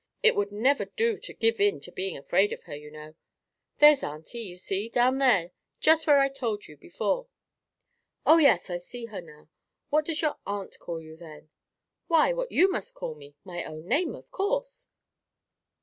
It would never do to give in to being afraid of her, you know.—There's auntie, you see, down there, just where I told you before." "Oh yes! I see her now.—What does your aunt call you, then?" "Why, what you must call me—my own name, of course."